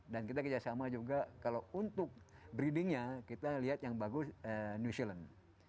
dan kita kerjasama juga kalau untuk breedingnya kita lihat yang bagus new zealand